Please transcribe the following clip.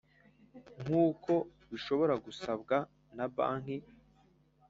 Nk uko bishobora gusabwa na banki